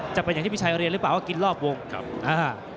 จะเป็นอย่างที่พี่ชัยเรียนหรือเปล่าว่ากินรอบวงครับอ่า